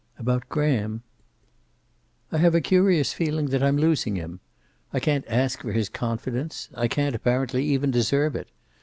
"About Graham?" "I have a curious feeling that I am losing him. I can't ask for his confidence. I can't, apparently, even deserve it.